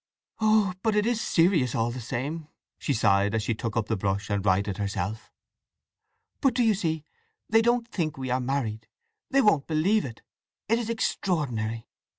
"Oh but it is serious, all the same!" she sighed as she took up the brush and righted herself. "But do you see they don't think we are married? They won't believe it! It is extraordinary!"